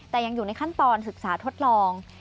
แต่ยังอยู่ในขั้นตอนศึกษาทดลอง